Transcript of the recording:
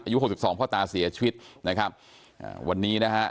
หกสิบสองพ่อตาเสียชีวิตนะครับอ่าวันนี้นะฮะ